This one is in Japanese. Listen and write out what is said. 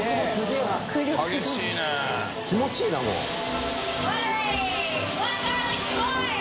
気持ちいいなもう。